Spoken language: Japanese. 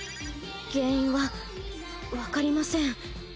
原因はわかりません。